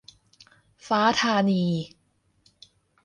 ฟ้าธานี